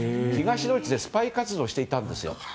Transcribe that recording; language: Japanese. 東ドイツでスパイ活動をしていたんです。